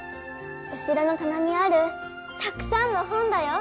後ろのたなにあるたくさんの本だよ。